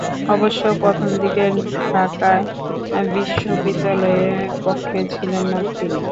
অবশ্য প্রথম দিকে ঢাকায় বিশ্ববিদ্যালয়ের পক্ষে ছিলেন না তিনি।